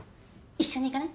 一緒に行かない？